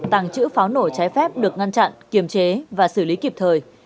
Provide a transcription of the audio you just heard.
tàng trữ pháo nổ trái phép được ngăn chặn kiềm chế và xử lý kịp thời